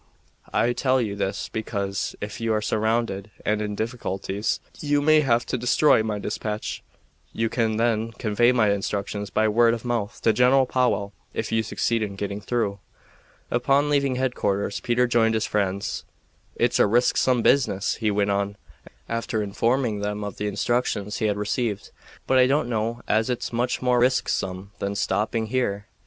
I tell you this because, if you are surrounded and in difficulties, you may have to destroy my dispatch. You can then convey my instructions by word of mouth to General Powell if you succeed in getting through." Upon leaving headquarters Peter joined his friends. "It's a risksome business," he went on, after informing them of the instructions he had received, "but I don't know as it's much more risksome than stopping here.